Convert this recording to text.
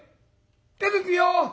「出てくよ！